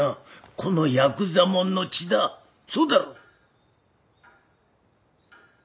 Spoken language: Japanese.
このやくざ者の血だそうだろ！